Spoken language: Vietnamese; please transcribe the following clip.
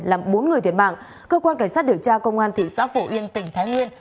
làm bốn người thiệt mạng cơ quan cảnh sát điều tra công an thị xã phổ yên tỉnh thái nguyên